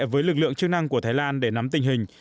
với lực lượng chức năng của thái lan để nắm tình hình